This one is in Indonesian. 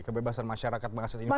kebebasan masyarakat mengakses informasi